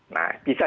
nah bisa dibelikan